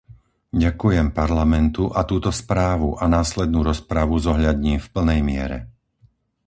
Ďakujem Parlamentu a túto správu a následnú rozpravu zohľadním v plnej miere.